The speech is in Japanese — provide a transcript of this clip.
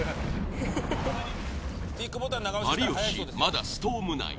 有吉まだストーム内。